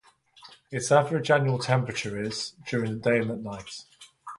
Its average annual temperature is : during the day and at night.